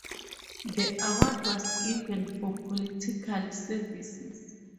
The award was given 'for political services'.